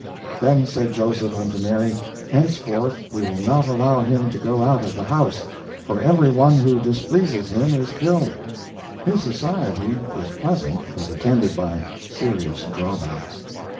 Then said Joseph unto Mary, henceforth we will not allow him to go out of the house, for everyone who displeases him is killed." His society was pleasant, but attended by serious drawbacks.